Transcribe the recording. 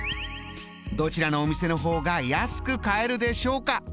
どちらのお店の方が安く買えるでしょうか？